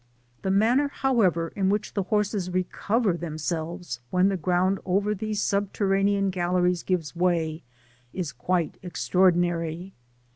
The manner, however, in which the horses recover themselves, when the ground over these subterra nean galleries gives way, is quite extraordinary.